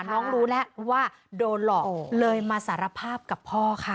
น้องรู้แล้วว่าโดนหลอกเลยมาสารภาพกับพ่อค่ะ